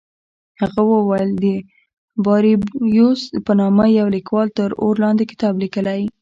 هغه وویل د باربیوس په نامه یوه لیکوال تر اور لاندې کتاب لیکلی.